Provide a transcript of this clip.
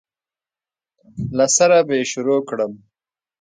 له سره به یې پیل کړم